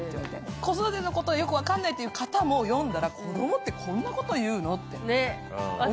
子育てのことよく分かんないって方も読んだら子供ってこんなこと言うのって。